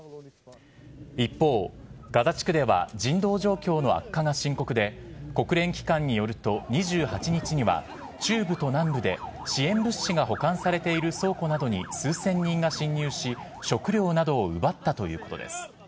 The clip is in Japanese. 一方、ガザ地区では人道状況の悪化が深刻で、国連機関によると２８日には、中部と南部で支援物資が保管されている倉庫などに数千人が侵入し、食料などを奪ったということです。